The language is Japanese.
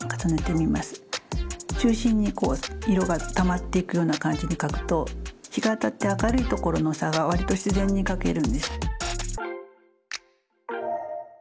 中心に色がたまっていくような感じで描くと日が当たって明るいところの差がわりと自然に描けるんです。